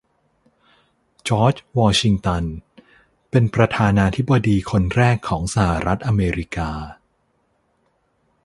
จอร์จ วอชิงตันเป็นประธานาธิบดีคนแรกของสหรัฐอเมริกา